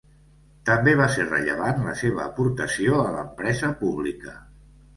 També va ser rellevant la seva aportació a l'empresa pública.